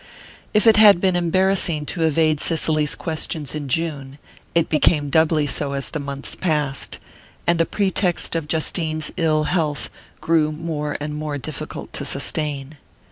If it had been embarrassing to evade Cicely's questions in June it became doubly so as the months passed, and the pretext of Justine's ill health grew more and more difficult to sustain.